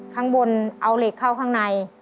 ข้างบนเอาเหล็กเข้าข้างใน